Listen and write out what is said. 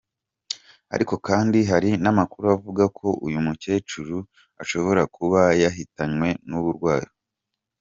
Ariko kandi hari n’amakuru avuga ko uyu mucekuru ashobora kuba yahitanywe n’uburwayi.